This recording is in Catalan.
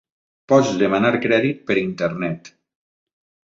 Pots demanar crèdit per Internet.